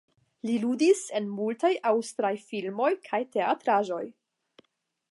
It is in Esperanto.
Li ludis en multaj aŭstraj filmoj kaj teatraĵoj.